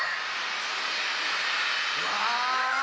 うわ！